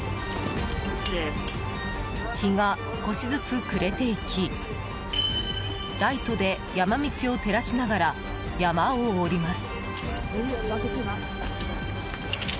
日が少しずつ暮れていきライトで山道を照らしながら山を下ります。